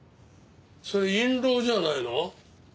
それ印籠じゃないの？